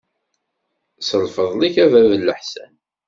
S lfeḍl-ik a bab n leḥsan.